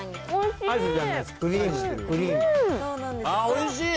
おいしい。